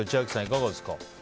いかがですか。